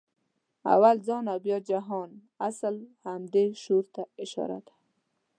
«اول ځان او بیا جهان» اصلاً همدې شعور ته اشاره ده.